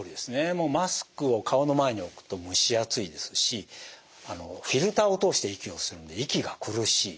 もうマスクを顔の前に置くと蒸し暑いですしフィルターを通して息をするので息が苦しい。